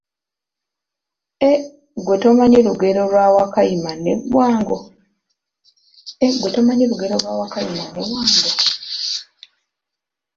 Eh, ggwe tomanyi lugero lwa wakayima ne wango.